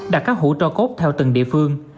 đặt các hữu trò cốt theo từng địa phương